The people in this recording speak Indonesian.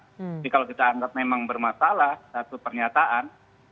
jadi kalau kita anggap memang bermasalah satu pernyataan